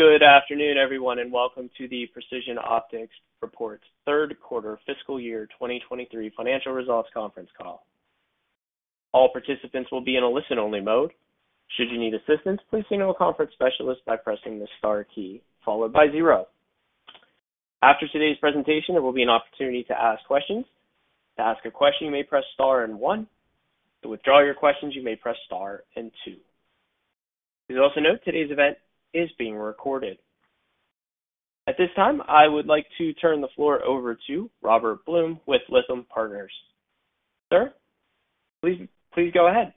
Good afternoon, everyone, welcome to the Precision Optics third quarter fiscal year 2023 financial results conference call. All participants will be in a listen-only mode. Should you need assistance, please signal a conference specialist by pressing the star key followed by 0. After today's presentation, there will be an opportunity to ask questions. To ask a question, you may press star and one. To withdraw your questions, you may press star and two. Please also note today's event is being recorded. At this time, I would like to turn the floor over to Robert Blum with Lytham Partners. Sir, please go ahead.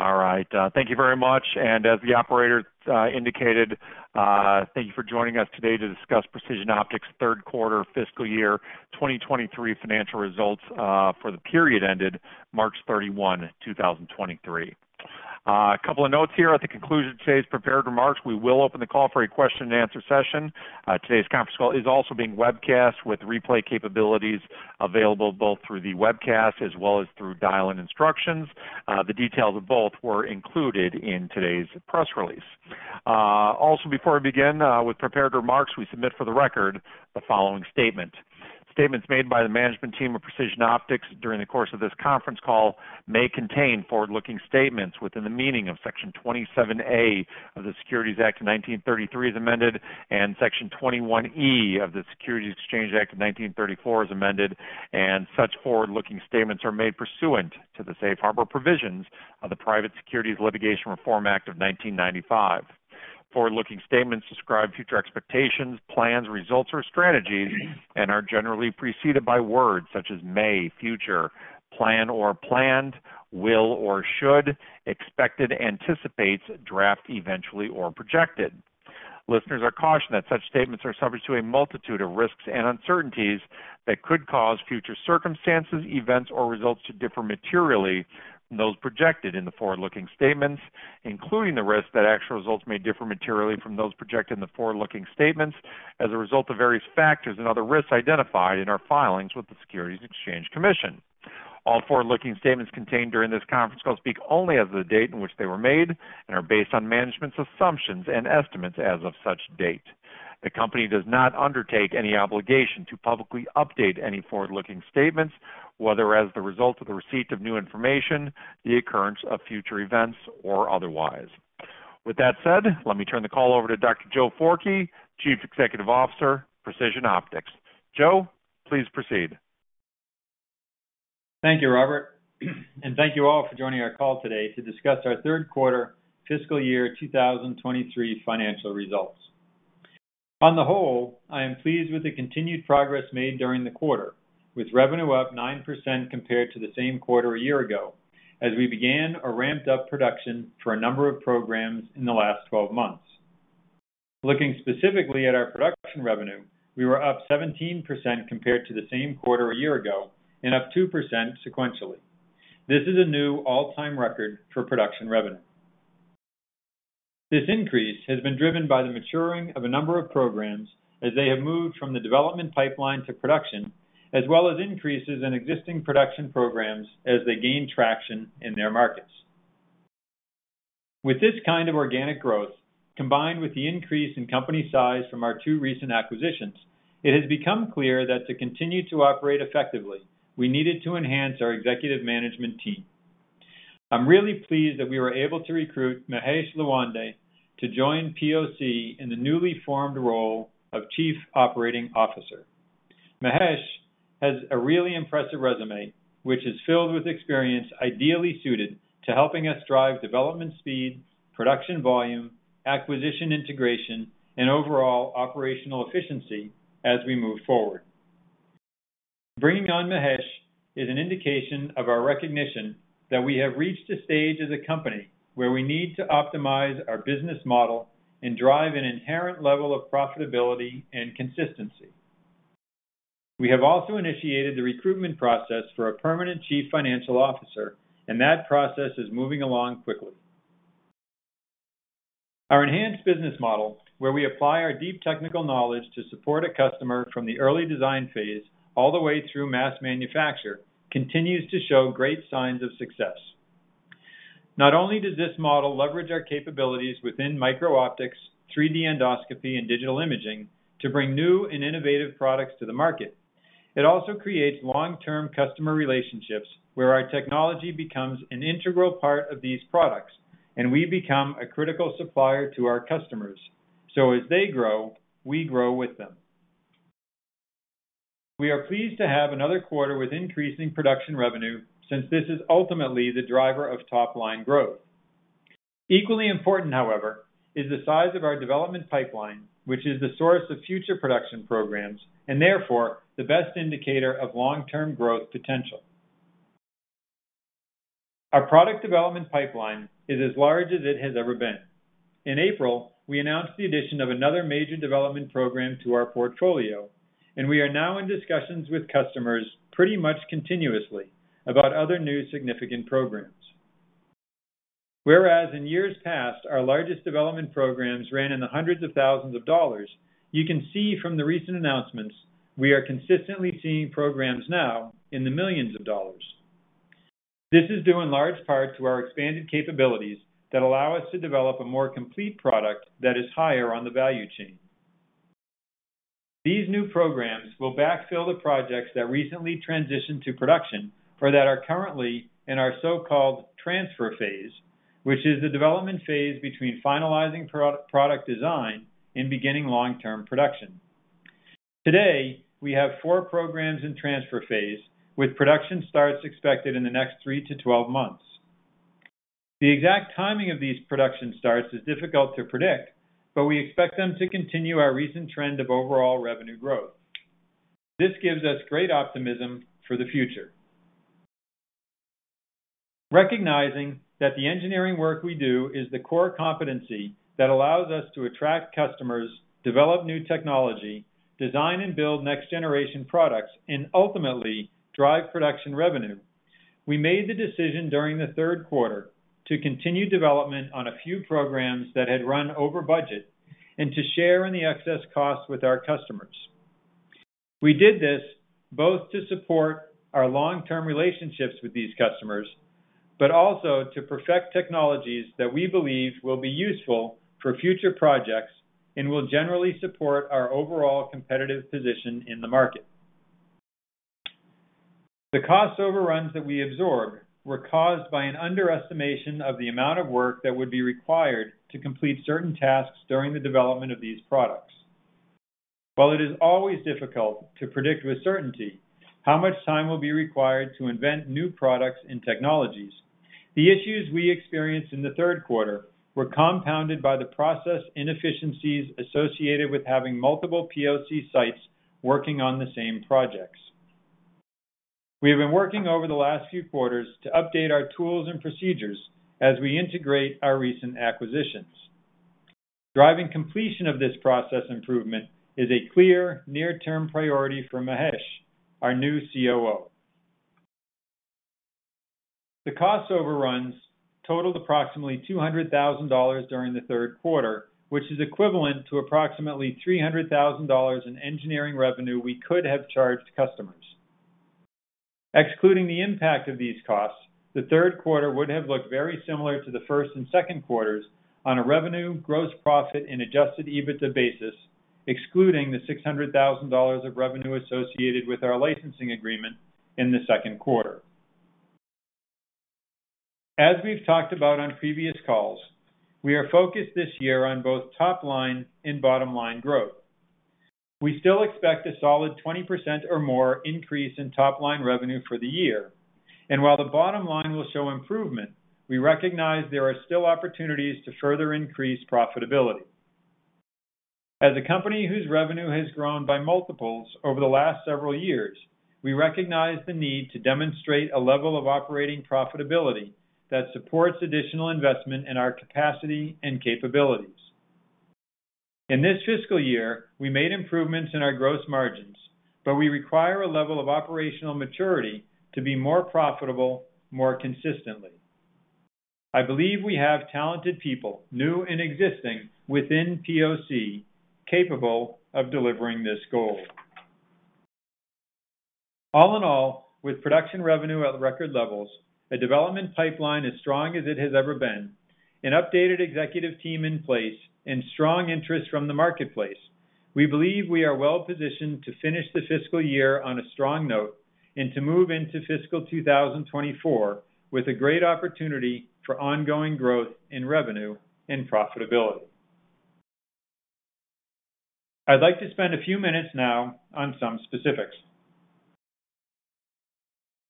All right. Thank you very much. As the Operator indicated, thank you for joining us today to discuss Precision Optics' third quarter fiscal year 2023 financial results for the period ended March 31, 2023. A couple of notes here. At the conclusion of today's prepared remarks, we will open the call for a question-and-answer session. Today's conference call is also being webcast with replay capabilities available both through the webcast as well as through dial-in instructions. The details of both were included in today's press release. Also before I begin with prepared remarks, we submit for the record the following statement. Statements made by the management team of Precision Optics during the course of this conference call may contain forward-looking statements within the meaning of Section 27A of the Securities Act of 1933 as amended, and Section 21E of the Securities Exchange Act of 1934 as amended, and such forward-looking statements are made pursuant to the Safe Harbor provisions of the Private Securities Litigation Reform Act of 1995. Forward-looking statements describe future expectations, plans, results, or strategies and are generally preceded by words such as may, future, plan or planned, will or should, expected, anticipates, draft, eventually, or projected. Listeners are cautioned that such statements are subject to a multitude of risks and uncertainties that could cause future circumstances, events, or results to differ materially from those projected in the forward-looking statements, including the risk that actual results may differ materially from those projected in the forward-looking statements as a result of various factors and other risks identified in our filings with the Securities and Exchange Commission. All forward-looking statements contained during this conference call speak only as of the date in which they were made and are based on management's assumptions and estimates as of such date. The company does not undertake any obligation to publicly update any forward-looking statements, whether as the result of the receipt of new information, the occurrence of future events, or otherwise. With that said, let me turn the call over to Dr. Joe Forkey, Chief Executive Officer, Precision Optics. Joe, please proceed. Thank you, Robert, and thank you all for joining our call today to discuss our third quarter fiscal year 2023 financial results. On the whole, I am pleased with the continued progress made during the quarter, with revenue up 9% compared to the same quarter a year ago as we began or ramped up production for a number of programs in the last 12 months. Looking specifically at our production revenue, we were up 17% compared to the same quarter a year ago and up 2% sequentially. This is a new all-time record for production revenue. This increase has been driven by the maturing of a number of programs as they have moved from the development pipeline to production, as well as increases in existing production programs as they gain traction in their markets. With this kind of organic growth, combined with the increase in company size from our two recent acquisitions, it has become clear that to continue to operate effectively, we needed to enhance our executive management team. I'm really pleased that we were able to recruit Mahesh Lawande to join POC in the newly formed role of Chief Operating Officer. Mahesh has a really impressive resume, which is filled with experience ideally suited to helping us drive development speed, production volume, acquisition integration, and overall operational efficiency as we move forward. Bringing on Mahesh is an indication of our recognition that we have reached a stage as a company where we need to optimize our business model and drive an inherent level of profitability and consistency. We have also initiated the recruitment process for a permanent Chief Financial Officer, and that process is moving along quickly. Our enhanced business model, where we apply our deep technical knowledge to support a customer from the early design phase all the way through mass manufacture, continues to show great signs of success. Not only does this model leverage our capabilities within micro-optics, 3D endoscopy, and digital imaging to bring new and innovative products to the market, it also creates long-term customer relationships where our technology becomes an integral part of these products, and we become a critical supplier to our customers. As they grow, we grow with them. We are pleased to have another quarter with increasing production revenue since this is ultimately the driver of top-line growth. Equally important, however, is the size of our development pipeline, which is the source of future production programs and therefore the best indicator of long-term growth potential. Our product development pipeline is as large as it has ever been. In April, we announced the addition of another major development program to our portfolio. We are now in discussions with customers pretty much continuously about other new significant programs. Whereas in years past, our largest development programs ran in the hundreds of thousands of dollars, you can see from the recent announcements, we are consistently seeing programs now in the millions of dollars. This is due in large part to our expanded capabilities that allow us to develop a more complete product that is higher on the value chain. These new programs will backfill the projects that recently transitioned to production, or that are currently in our so-called transfer phase, which is the development phase between finalizing product design and beginning long-term production. Today, we have 4 programs in transfer phase, with production starts expected in the next 3-12 months. The exact timing of these production starts is difficult to predict, but we expect them to continue our recent trend of overall revenue growth. This gives us great optimism for the future. Recognizing that the engineering work we do is the core competency that allows us to attract customers, develop new technology, design and build next-generation products, and ultimately, drive production revenue, we made the decision during the third quarter to continue development on a few programs that had run over budget and to share in the excess costs with our customers. We did this both to support our long-term relationships with these customers, but also to perfect technologies that we believe will be useful for future projects and will generally support our overall competitive position in the market. The cost overruns that we absorbed were caused by an underestimation of the amount of work that would be required to complete certain tasks during the development of these products. While it is always difficult to predict with certainty how much time will be required to invent new products and technologies, the issues we experienced in the third quarter were compounded by the process inefficiencies associated with having multiple POC sites working on the same projects. We have been working over the last few quarters to update our tools and procedures as we integrate our recent acquisitions. Driving completion of this process improvement is a clear near-term priority for Mahesh, our new COO. The cost overruns totaled approximately $200,000 during the third quarter, which is equivalent to approximately $300,000 in engineering revenue we could have charged customers. Excluding the impact of these costs, the third quarter would have looked very similar to the first and second quarters on a revenue, gross profit, and Adjusted EBITDA basis, excluding the $600,000 of revenue associated with our licensing agreement in the second quarter. As we've talked about on previous calls, we are focused this year on both top line and bottom line growth. We still expect a solid 20% or more increase in top line revenue for the year. While the bottom line will show improvement, we recognize there are still opportunities to further increase profitability. As a company whose revenue has grown by multiples over the last several years, we recognize the need to demonstrate a level of operating profitability that supports additional investment in our capacity and capabilities. In this fiscal year, we made improvements in our gross margins, we require a level of operational maturity to be more profitable more consistently. I believe we have talented people, new and existing, within POC capable of delivering this goal. All in all, with production revenue at record levels, a development pipeline as strong as it has ever been, an updated executive team in place, and strong interest from the marketplace, we believe we are well positioned to finish the fiscal year on a strong note and to move into fiscal 2024 with a great opportunity for ongoing growth in revenue and profitability. I'd like to spend a few minutes now on some specifics.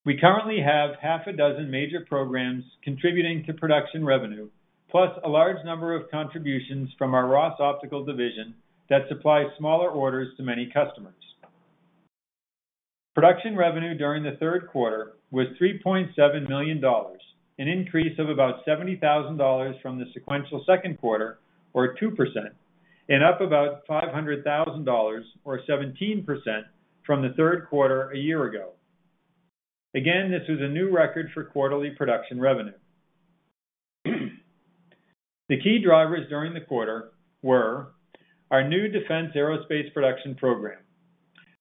We currently have half a dozen major programs contributing to production revenue, plus a large number of contributions from our Ross Optical division that supplies smaller orders to many customers. Production revenue during the third quarter was $3.7 million, an increase of about $70,000 from the sequential second quarter, or 2%, and up about $500,000, or 17%, from the third quarter a year ago. This was a new record for quarterly production revenue. The key drivers during the quarter were our new defense aerospace production program,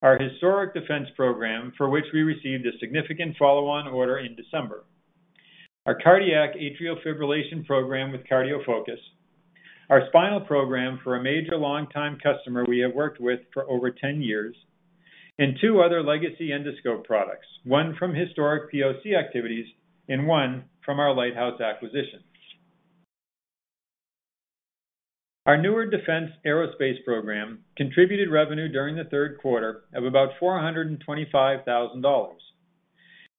our historic defense program, for which we received a significant follow-on order in December, our cardiac atrial fibrillation program with CardioFocus, our spinal program for a major long-time customer we have worked with for over 10 years, and two other legacy endoscope products, one from historic POC activities and one from our Lighthouse acquisition. Our newer defense aerospace program contributed revenue during the third quarter of about $425,000.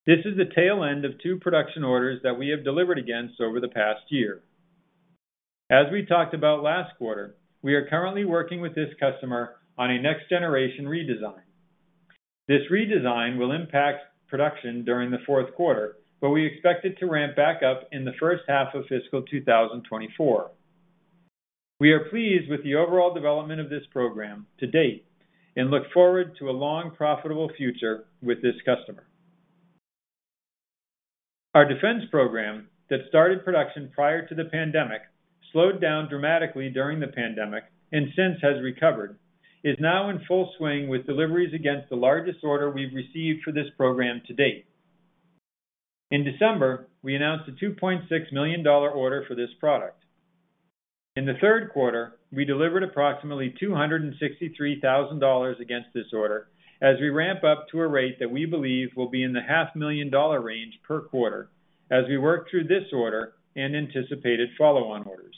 This is the tail end of two production orders that we have delivered against over the past year. As we talked about last quarter, we are currently working with this customer on a next-generation redesign. This redesign will impact production during the fourth quarter, but we expect it to ramp back up in the first half of fiscal 2024. We are pleased with the overall development of this program to date and look forward to a long, profitable future with this customer. Our defense program that started production prior to the pandemic slowed down dramatically during the pandemic and since has recovered, is now in full swing with deliveries against the largest order we've received for this program to date. In December, we announced a $2.6 million order for this product. In the third quarter, we delivered approximately $263,000 against this order as we ramp up to a rate that we believe will be in the half million dollar range per quarter as we work through this order and anticipated follow-on orders.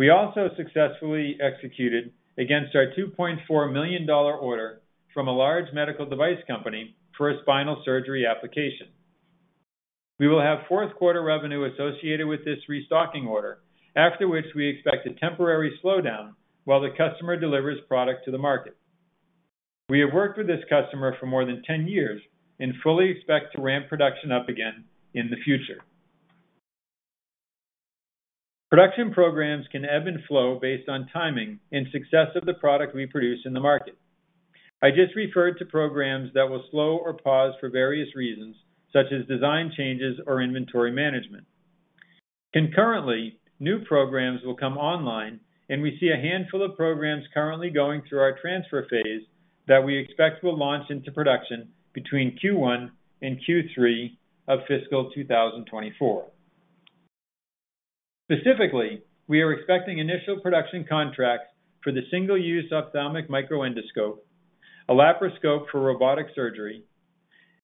We also successfully executed against our $2.4 million order from a large medical device company for a spinal surgery application. We will have fourth quarter revenue associated with this restocking order, after which we expect a temporary slowdown while the customer delivers product to the market. We have worked with this customer for more than 10 years and fully expect to ramp production up again in the future. Production programs can ebb and flow based on timing and success of the product we produce in the market. I just referred to programs that will slow or pause for various reasons, such as design changes or inventory management. Concurrently, new programs will come online, and we see a handful of programs currently going through our transfer phase that we expect will launch into production between Q1 and Q3 of fiscal 2024. Specifically, we are expecting initial production contracts for the single-use ophthalmic micro endoscope, a laparoscope for robotic surgery,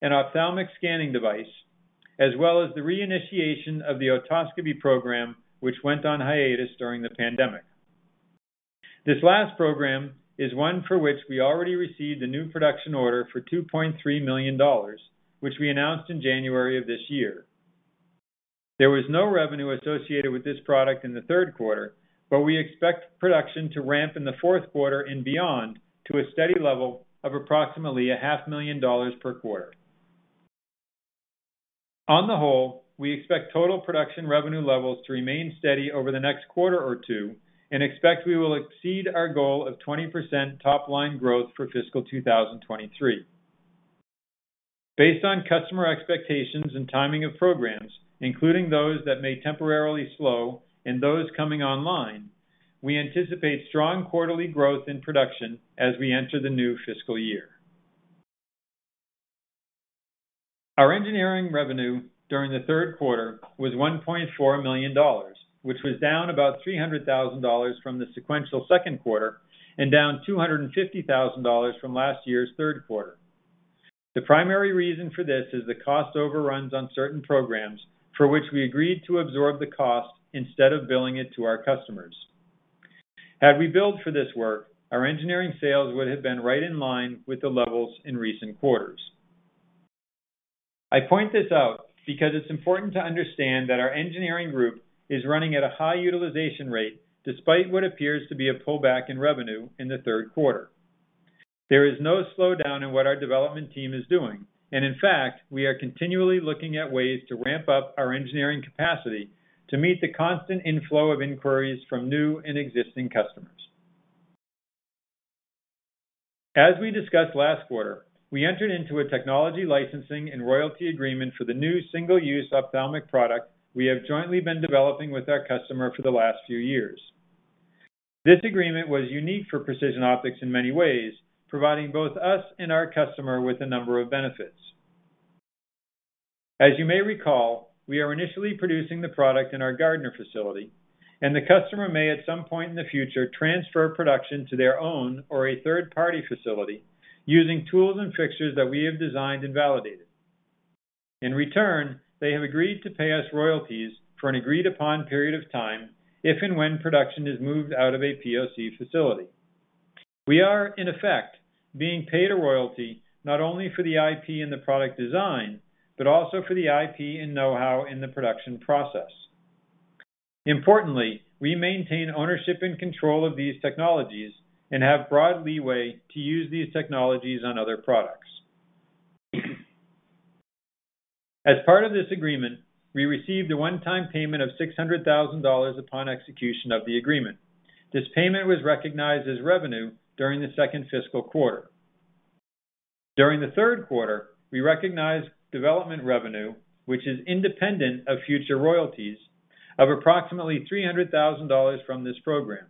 an ophthalmic scanning device, as well as the re-initiation of the otoscopy program, which went on hiatus during the pandemic. This last program is one for which we already received a new production order for $2.3 million, which we announced in January of this year. There was no revenue associated with this product in the third quarter, but we expect production to ramp in the fourth quarter and beyond to a steady level of approximately a half million dollars per quarter. On the whole, we expect total production revenue levels to remain steady over the next quarter or two and expect we will exceed our goal of 20% top line growth for fiscal 2023. Based on customer expectations and timing of programs, including those that may temporarily slow and those coming online, we anticipate strong quarterly growth in production as we enter the new fiscal year. Our engineering revenue during the third quarter was $1.4 million, which was down about $300,000 from the sequential second quarter and down $250,000 from last year's third quarter. The primary reason for this is the cost overruns on certain programs for which we agreed to absorb the cost instead of billing it to our customers. Had we billed for this work, our engineering sales would have been right in line with the levels in recent quarters. I point this out because it's important to understand that our engineering group is running at a high utilization rate despite what appears to be a pullback in revenue in the third quarter. There is no slowdown in what our development team is doing. In fact, we are continually looking at ways to ramp up our engineering capacity to meet the constant inflow of inquiries from new and existing customers. As we discussed last quarter, we entered into a technology licensing and royalty agreement for the new single-use ophthalmic product we have jointly been developing with our customer for the last few years. This agreement was unique for Precision Optics in many ways, providing both us and our customer with a number of benefits. As you may recall, we are initially producing the product in our Gardner facility, and the customer may at some point in the future transfer production to their own or a third-party facility using tools and fixtures that we have designed and validated. In return, they have agreed to pay us royalties for an agreed upon period of time if and when production is moved out of a POC facility. We are, in effect, being paid a royalty not only for the IP and the product design, but also for the IP and know-how in the production process. Importantly, we maintain ownership and control of these technologies and have broad leeway to use these technologies on other products. As part of this agreement, we received a one-time payment of $600,000 upon execution of the agreement. This payment was recognized as revenue during the second fiscal quarter. During the third quarter, we recognized development revenue, which is independent of future royalties of approximately $300,000 from this program.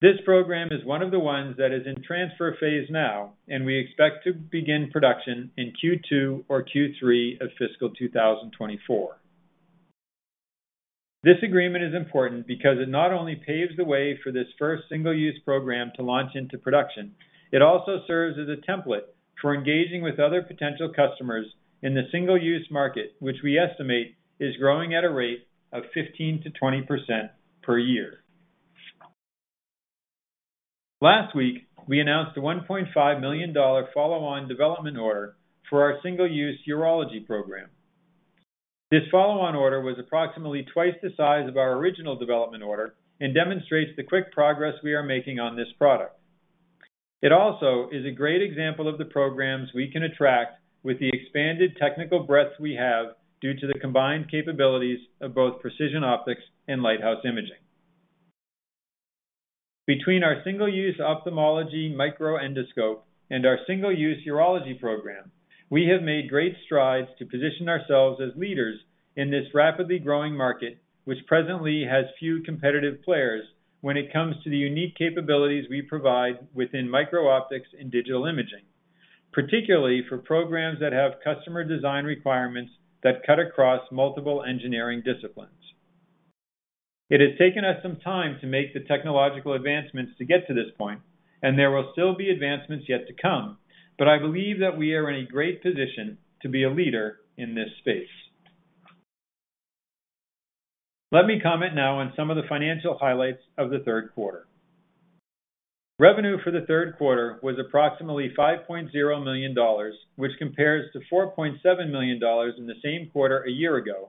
This program is one of the ones that is in transfer phase now, and we expect to begin production in Q2 or Q3 of fiscal 2024. This agreement is important because it not only paves the way for this first single-use program to launch into production, it also serves as a template for engaging with other potential customers in the single-use market, which we estimate is growing at a rate of 15%-20% per year. Last week, we announced a $1.5 million follow-on development order for our single-use urology program. This follow-on order was approximately twice the size of our original development order and demonstrates the quick progress we are making on this product. It also is a great example of the programs we can attract with the expanded technical breadth we have due to the combined capabilities of both Precision Optics and Lighthouse Imaging. Between our single-use ophthalmology micro endoscope and our single-use urology program, we have made great strides to position ourselves as leaders in this rapidly growing market, which presently has few competitive players when it comes to the unique capabilities we provide within micro-optics and digital imaging, particularly for programs that have customer design requirements that cut across multiple engineering disciplines. It has taken us some time to make the technological advancements to get to this point, and there will still be advancements yet to come, but I believe that we are in a great position to be a leader in this space. Let me comment now on some of the financial highlights of the third quarter. Revenue for the third quarter was approximately $5.0 million, which compares to $4.7 million in the same quarter a year ago,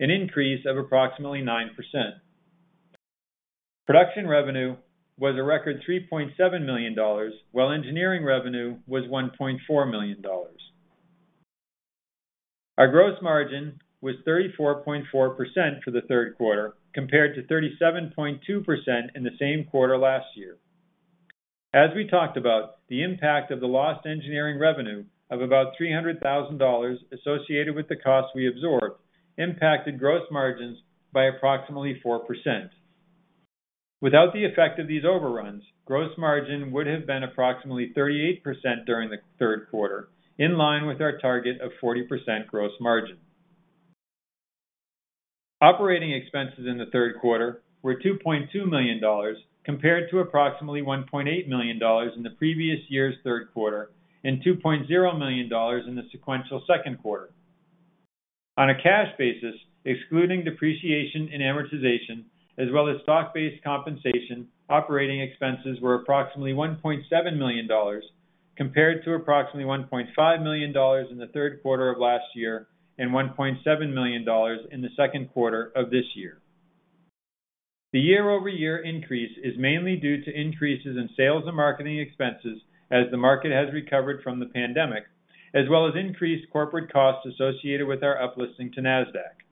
an increase of approximately 9%. Production revenue was a record $3.7 million, while engineering revenue was $1.4 million. Our gross margin was 34.4% for the third quarter, compared to 37.2% in the same quarter last year. As we talked about, the impact of the lost engineering revenue of about $300,000 associated with the cost we absorbed impacted gross margins by approximately 4%. Without the effect of these overruns, gross margin would have been approximately 38% during the third quarter, in line with our target of 40% gross margin. Operating expenses in the third quarter were $2.2 million, compared to approximately $1.8 million in the previous year's third quarter, and $2.0 million in the sequential second quarter. On a cash basis, excluding depreciation and amortization, as well as stock-based compensation, operating expenses were approximately $1.7 million, compared to approximately $1.5 million in the third quarter of last year, and $1.7 million in the second quarter of this year. The year-over-year increase is mainly due to increases in sales and marketing expenses as the market has recovered from the pandemic, as well as increased corporate costs associated with our uplisting to Nasdaq.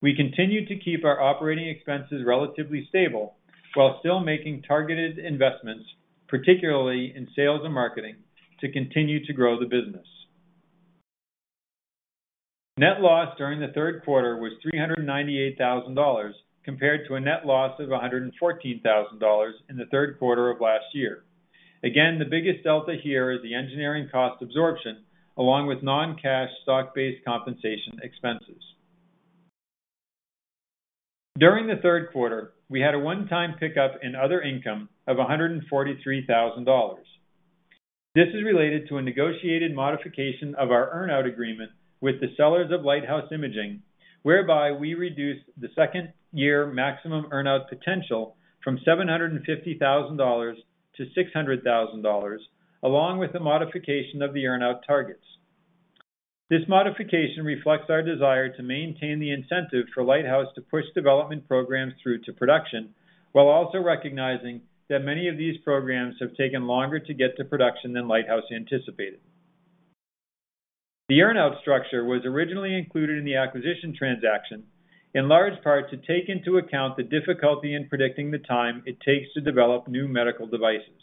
We continue to keep our operating expenses relatively stable while still making targeted investments, particularly in sales and marketing, to continue to grow the business. Net loss during the third quarter was $398 thousand, compared to a net loss of $114 thousand in the third quarter of last year. The biggest delta here is the engineering cost absorption, along with non-cash stock-based compensation expenses. During the third quarter, we had a one-time pickup in other income of $143 thousand. This is related to a negotiated modification of our earn-out agreement with the sellers of Lighthouse Imaging, whereby we reduced the second year maximum earn-out potential from $750 thousand to $600 thousand, along with the modification of the earn-out targets. This modification reflects our desire to maintain the incentive for Lighthouse to push development programs through to production, while also recognizing that many of these programs have taken longer to get to production than Lighthouse anticipated. The earn-out structure was originally included in the acquisition transaction, in large part, to take into account the difficulty in predicting the time it takes to develop new medical devices.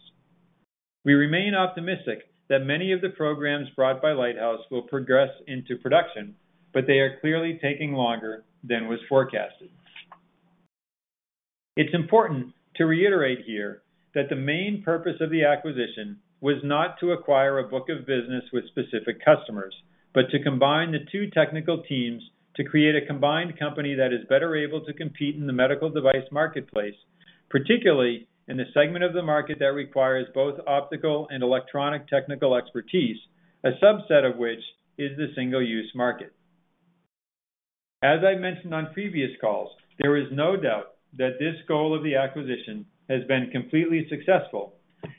We remain optimistic that many of the programs brought by Lighthouse will progress into production, but they are clearly taking longer than was forecasted. It's important to reiterate here that the main purpose of the acquisition was not to acquire a book of business with specific customers, but to combine the two technical teams to create a combined company that is better able to compete in the medical device marketplace, particularly in the segment of the market that requires both optical and electronic technical expertise, a subset of which is the single-use market. As I mentioned on previous calls, there is no doubt that this goal of the acquisition has been completely successful,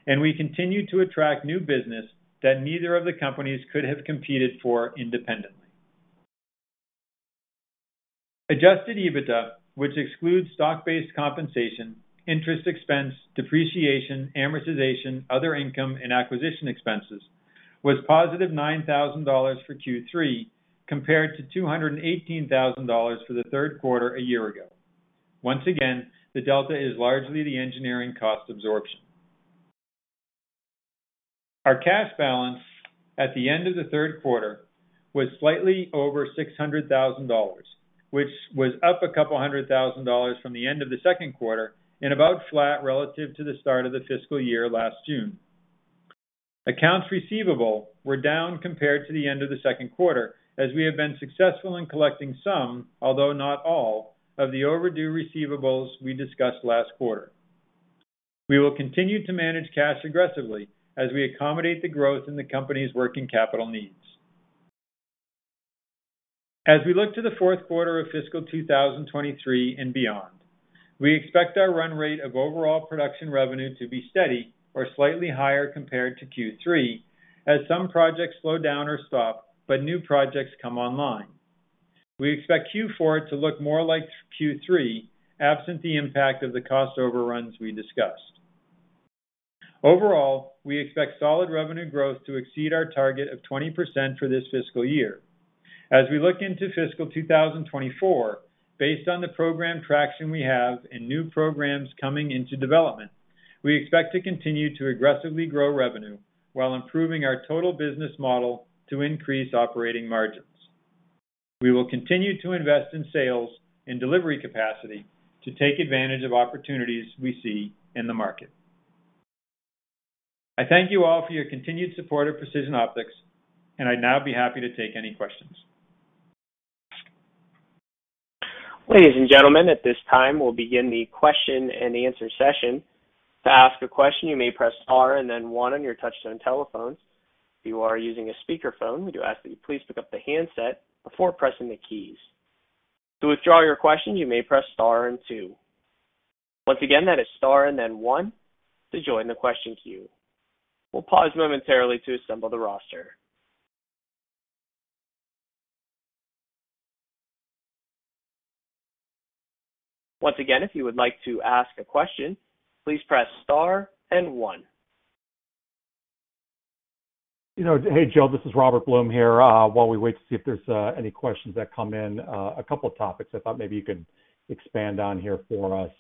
and we continue to attract new business that neither of the companies could have competed for independently. Adjusted EBITDA, which excludes stock-based compensation, interest expense, depreciation, amortization, other income, and acquisition expenses, was positive $9,000 for Q3 compared to $218,000 for the third quarter a year ago. Once again, the delta is largely the engineering cost absorption. Our cash balance at the end of the third quarter was slightly over $600,000, which was up $200,000 from the end of the second quarter and about flat relative to the start of the fiscal year last June. Accounts receivable were down compared to the end of the second quarter, as we have been successful in collecting some, although not all, of the overdue receivables we discussed last quarter. We will continue to manage cash aggressively as we accommodate the growth in the company's working capital needs. As we look to the fourth quarter of fiscal 2023 and beyond, we expect our run rate of overall production revenue to be steady or slightly higher compared to Q3 as some projects slow down or stop, but new projects come online. We expect Q4 to look more like Q3 absent the impact of the cost overruns we discussed. Overall, we expect solid revenue growth to exceed our target of 20% for this fiscal year. As we look into fiscal 2024, based on the program traction we have and new programs coming into development, we expect to continue to aggressively grow revenue while improving our total business model to increase operating margins. We will continue to invest in sales and delivery capacity to take advantage of opportunities we see in the market. I thank you all for your continued support of Precision Optics. I'd now be happy to take any questions. Ladies and gentlemen, at this time, we'll begin the question-and-answer session. To ask a question, you may press star and then 1 on your touch-tone telephones. If you are using a speakerphone, we do ask that you please pick up the handset before pressing the keys. To withdraw your question, you may press star and two. Once again, that is star and then one to join the question queue. We'll pause momentarily to assemble the roster. Once again, if you would like to ask a question, please press star and one. You know, hey, Joe, this is Robert Blum here. While we wait to see if there's any questions that come in, a couple of topics I thought maybe you could expand on here for us.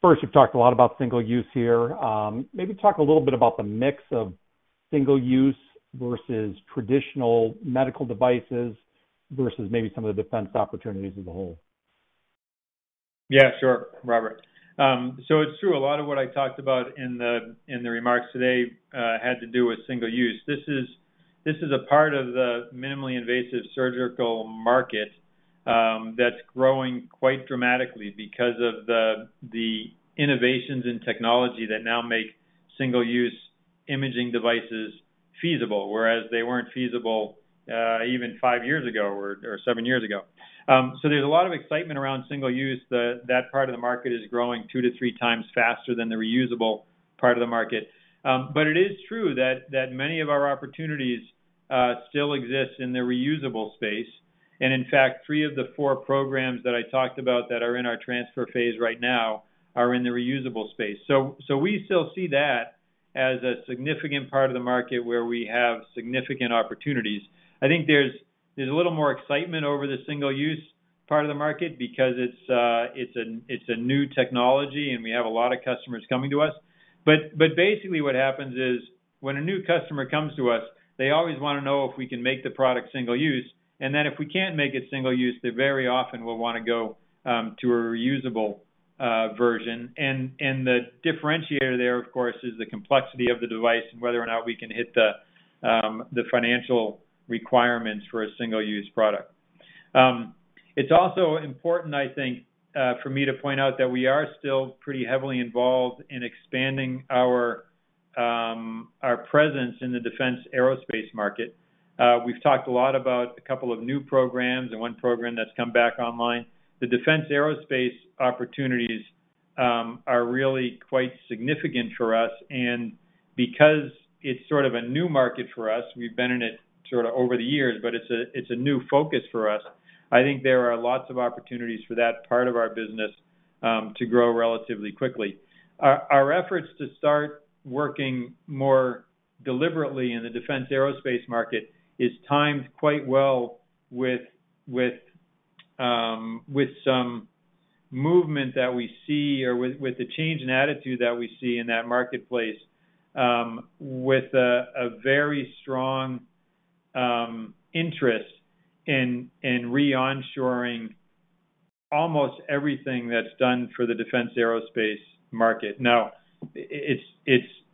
First, you've talked a lot about single-use here. Maybe talk a little bit about the mix of single-use versus traditional medical devices versus maybe some of the defense opportunities as a whole. Yeah, sure, Robert. It's true, a lot of what I talked about in the remarks today had to do with single use. This is a part of the minimally invasive surgical market that's growing quite dramatically because of the innovations in technology that now make single-use imaging devices feasible, whereas they weren't feasible even 5 years ago or 7 years ago. There's a lot of excitement around single use. That part of the market is growing two to three times faster than the reusable part of the market. It is true that many of our opportunities still exist in the reusable space. In fact, three of the four programs that I talked about that are in our transfer phase right now are in the reusable space. We still see that as a significant part of the market where we have significant opportunities. I think there's a little more excitement over the single-use part of the market because it's a new technology, and we have a lot of customers coming to us. Basically what happens is when a new customer comes to us, they always wanna know if we can make the product single-use. If we can't make it single-use, they very often will wanna go to a reusable version. The differentiator there, of course, is the complexity of the device and whether or not we can hit the financial requirements for a single-use product. It's also important, I think, for me to point out that we are still pretty heavily involved in expanding our presence in the defense aerospace market. We've talked a lot about a couple of new programs and one program that's come back online. The defense aerospace opportunities are really quite significant for us. Because it's sort of a new market for us, we've been in it sort of over the years, but it's a, it's a new focus for us. I think there are lots of opportunities for that part of our business to grow relatively quickly. Our efforts to start working more deliberately in the defense aerospace market is timed quite well with some movement that we see or with the change in attitude that we see in that marketplace, with a very strong interest in re-onshoring almost everything that's done for the defense aerospace market. Now, it's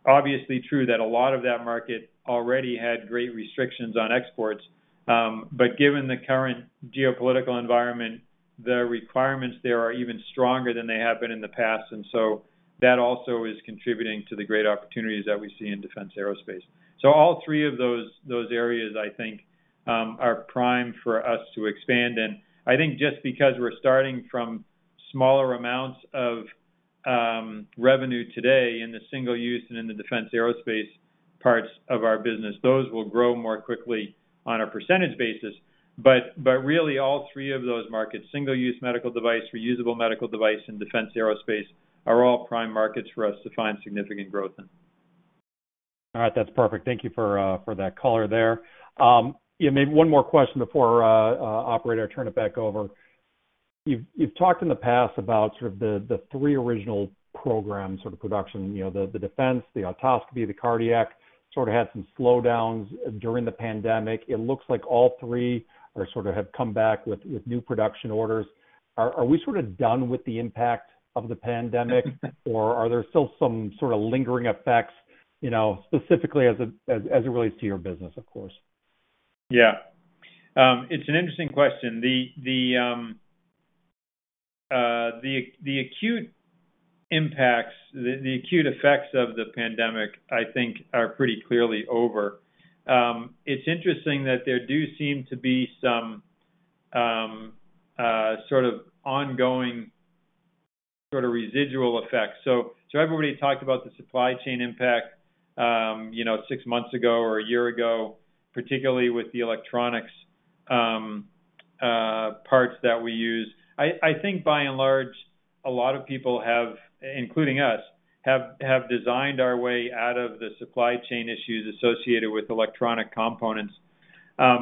obviously true that a lot of that market already had great restrictions on exports. But given the current geopolitical environment, the requirements there are even stronger than they have been in the past. That also is contributing to the great opportunities that we see in defense aerospace. All three of those areas, I think, are prime for us to expand in. I think just because we're starting from smaller amounts of revenue today in the single-use and in the defense aerospace parts of our business, those will grow more quickly on a percentage basis. Really all three of those markets, single-use medical device, reusable medical device, and defense aerospace, are all prime markets for us to find significant growth in. All right. That's perfect. Thank you for that color there. Yeah, maybe one more question before operator, I turn it back over. You've talked in the past about sort of the three original programs or production, you know, the defense, the arthroscopy, the cardiac, sort of had some slowdowns during the pandemic. It looks like all three are sort of have come back with new production orders. Are we sort of done with the impact of the pandemic? Or are there still some sort of lingering effects, you know, specifically as it relates to your business, of course? It's an interesting question. The acute impacts, the acute effects of the pandemic, I think, are pretty clearly over. It's interesting that there do seem to be some sort of ongoing sort of residual effects. Everybody talked about the supply chain impact, you know, 6 months ago or 1 year ago, particularly with the electronics Parts that we use. I think by and large, a lot of people have, including us, have designed our way out of the supply chain issues associated with electronic components. As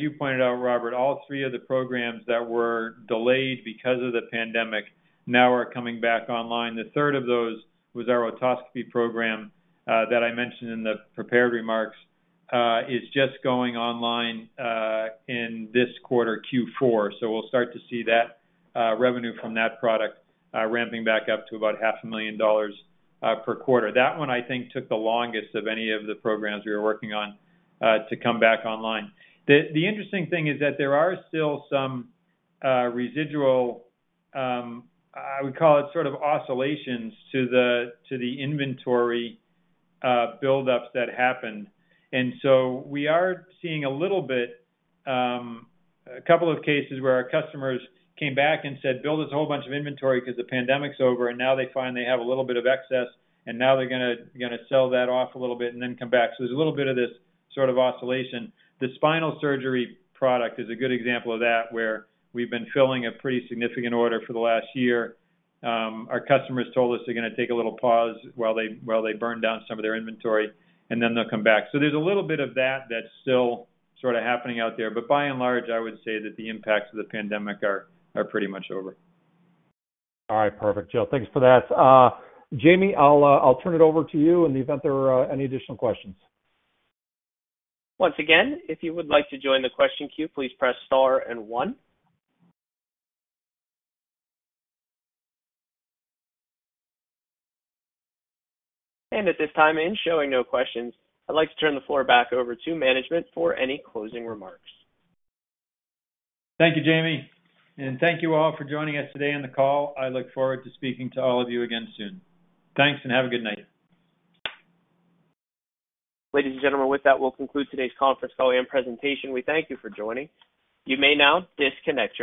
you pointed out, Robert, all three of the programs that were delayed because of the pandemic now are coming back online. The third of those was our otoscopy program, that I mentioned in the prepared remarks, is just going online in this quarter, Q4. We'll start to see that revenue from that product ramping back up to about half a million dollars per quarter. That one, I think, took the longest of any of the programs we were working on to come back online. The interesting thing is that there are still some residual, I would call it sort of oscillations to the inventory buildups that happened. We are seeing a little bit, a couple of cases where our customers came back and said, "Build this whole bunch of inventory 'cause the pandemic's over." Now they find they have a little bit of excess, and now they're gonna sell that off a little bit and then come back. There's a little bit of this sort of oscillation. The spinal surgery product is a good example of that, where we've been filling a pretty significant order for the last year. Our customers told us they're gonna take a little pause while they burn down some of their inventory, and then they'll come back. There's a little bit of that that's still sort of happening out there. By and large, I would say that the impacts of the pandemic are pretty much over. All right. Perfect, Joe. Thanks for that. Jamie, I'll turn it over to you in the event there are any additional questions. Once again, if you would like to join the question queue, please press star and one. Au this time, in showing no questions, I'd like to turn the floor back over to management for any closing remarks. Thank you, Jamie. Thank you all for joining us today on the call. I look forward to speaking to all of you again soon. Thanks, and have a good night. Ladies and gentlemen, with that, we'll conclude today's conference call and presentation. Wo thank you for joining. You may now disconnect your line.